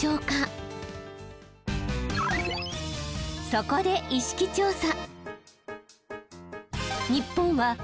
そこで意識調査。